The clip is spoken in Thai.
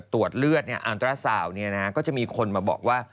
ตรวจเลือดอันตราสาวก็จะมีคนมาบอกว่า